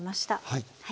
はい。